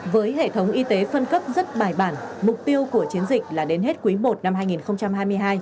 với hệ thống y tế phân cấp rất bài bản mục tiêu của chiến dịch là đến hết quý i năm hai nghìn hai mươi hai